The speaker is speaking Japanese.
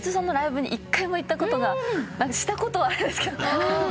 したことはあるんですけど。